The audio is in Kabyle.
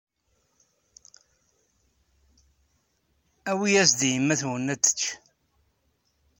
Awi-yas-d i yemma-twen ad tečč.